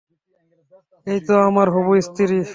এইতো, আমার হবু স্ত্রী।